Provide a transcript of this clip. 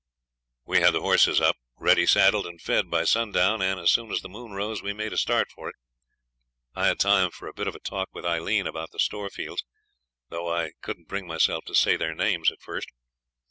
We had the horses up, ready saddled and fed, by sundown, and as soon as the moon rose we made a start of it. I had time for a bit of a talk with Aileen about the Storefields, though I couldn't bring myself to say their names at first.